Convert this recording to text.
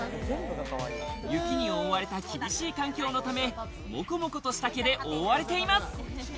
雪に覆われた厳しい環境のため、モコモコとした毛で覆われています。